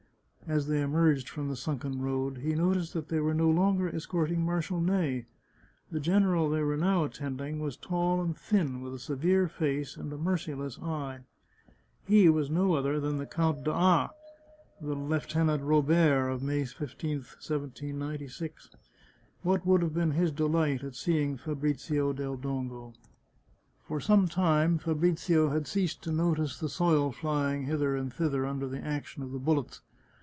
As they emerged from the sunken road he noticed that they were no longer escorting Marshal Ney ; the general they were now attending was tall and thin, with a severe face and a merciless eye. He was no other than the Count d'A , the Lieutenant Robert of May 15, 1796. What would have been his de light at seeing Fabrizio del Dongo ! For some time Fabrizio had ceased to notice the soil flying hither and thither under the action of the bullets.